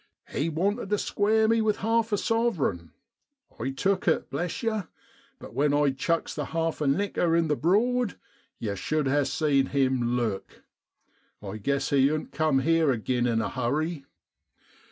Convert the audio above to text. He wanted to square me with half a sov'rign. I took it, bless yer, but when I chucks the half a nicker in the broad, yer should ha' seen him look ! I guess he oan't come here agin in a hurry.